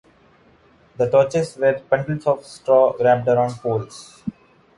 The torches were bundles of straw wrapped around poles.